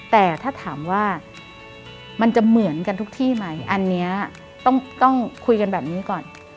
แต่ถ้าถามว่ามันจะเหมือนกันทุกที่ไหมอันนี้ต้องคุยกันแบบนี้ก่อน